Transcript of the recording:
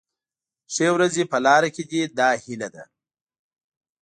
ښې ورځې په لاره کې دي دا هیله ده.